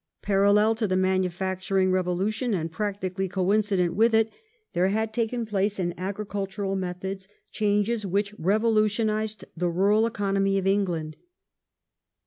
Parallel to the manufacturing re v°^"^*°"s volution, and practically coincident with it, there had taken place in agricultural methods changes which revolutionized the rural economy of England.